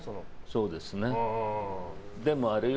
そうですね。